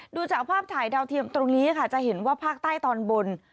ดูจากภาพถ่ายดาวเทียมตรงนี้ค่ะจะเห็นว่าภาคใต้ตอนบน